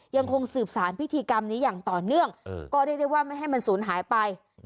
ยังคงสืบสารพิธีกรรมนี้อย่างต่อเนื่องก็เรียกได้ว่าไม่ให้มันสูญหายไป